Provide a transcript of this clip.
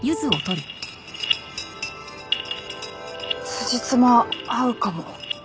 つじつま合うかも。